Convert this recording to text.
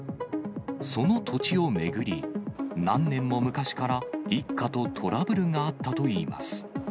その土地を巡り、何年も昔から一家とトラブルがあったといいます。